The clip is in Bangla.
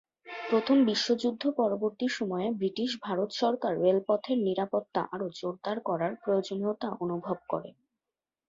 প্রথম বিশ্বযুদ্ধ পরবর্তী সময়ে ব্রিটিশ ভারত সরকার রেলপথের নিরাপত্তা আরও জোরদার করার প্রয়োজনীয়তা অনুভব করে।